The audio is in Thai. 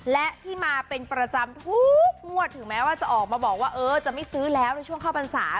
และที่มาเป็นประจำทุกงวดถึงแม้ว่าจะออกมาบอกว่าเออจะไม่ซื้อแล้วในช่วงเข้าพรรษา